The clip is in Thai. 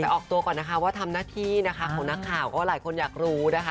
แต่ออกตัวก่อนนะคะว่าทำหน้าที่นะคะของนักข่าวก็หลายคนอยากรู้นะคะ